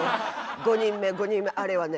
５人目５人目あれはね